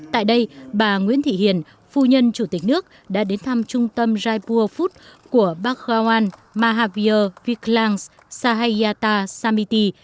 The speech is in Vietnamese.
tại đây bà nguyễn thị hiền phu nhân chủ tịch nước đã đến thăm trung tâm raipur food của bác vance maiphiho viklang sahayati samiti